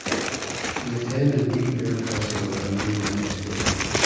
He attended New Era High School and Union High School.